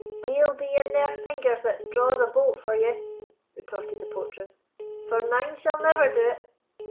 "Deil be in their fingers that draws a bolt for ye," retorted the portress; "for mine shall never do it.